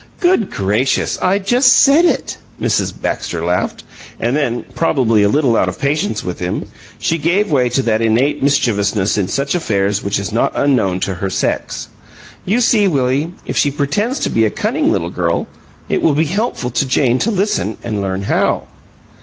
"Good gracious! I just said it!" Mrs. Baxter laughed, and then, probably a little out of patience with him, she gave way to that innate mischievousness in such affairs which is not unknown to her sex. "You see, Willie, if she pretends to be a cunning little girl, it will be helpful to Jane to listen and learn how."